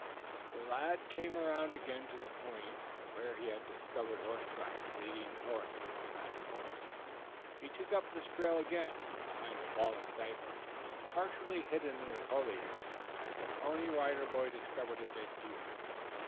The lad came around again to the point where he had discovered horse tracks leading north from that point. He took up this trail again. Behind a fallen cypress, partially hidden in the foliage, the Pony Rider Boy discovered a dead deer.